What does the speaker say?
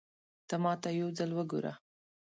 ته ماته يو ځل وګوره